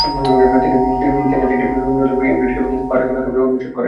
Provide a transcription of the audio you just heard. তিনি তিনটি নতুন মডেলসহ ইউনিটেক স্মার্ট টিভির মোড়ক উন্মোচন করেন।